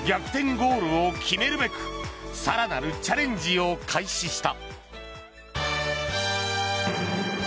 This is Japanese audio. ゴールを決めるべく更なるチャレンジを開始した。